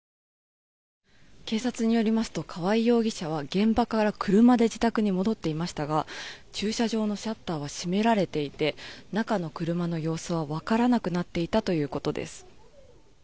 警察によりますと川合容疑者は現場から車で自宅に戻っていましたが駐車場のシャッターは閉められていて中の車の様子はわからなくなっていたということです。